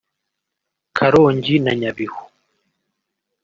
Karongi na Nyabihu